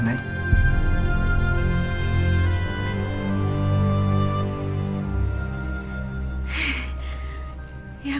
nanti mama akan cari tiara